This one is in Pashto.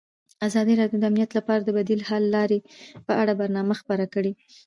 ازادي راډیو د امنیت لپاره د بدیل حل لارې په اړه برنامه خپاره کړې.